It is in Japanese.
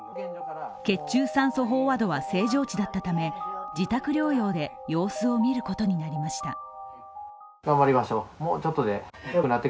血中酸素飽和度は正常値だったため、自宅療養で様子を見ることになりました。